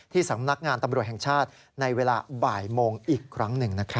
สำนักงานตำรวจแห่งชาติในเวลาบ่ายโมงอีกครั้งหนึ่งนะครับ